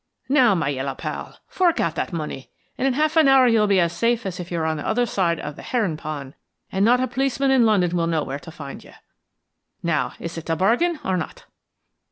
Now, my yellow pal, fork out that money, and in half an hour you'll be as safe as if you were on the other side of the herring pond and not a policeman in London will know where to find you. Now, is it a bargain or not?"